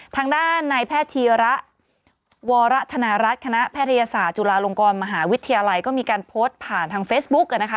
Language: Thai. ทางด้านในแพทยศาสตร์จุฬาลงกรมหาวิทยาลัยก็มีการโพสต์ผ่านทางเฟสบุ๊ค